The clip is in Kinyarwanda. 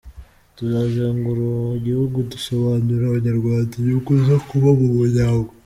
Tuzazengurua igihugu dusobanurira abanyarwanda inyungu zo kuba mu muryango.